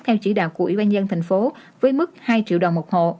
theo chỉ đạo của ủy ban nhân tp hcm với mức hai triệu đồng một hộ